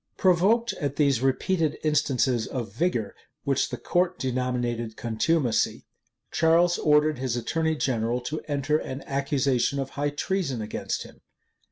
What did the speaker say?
Provoked at these repeated instances of vigor, which the court denominated contumacy, Charles ordered his attorney general to enter an accusation of high treason against him.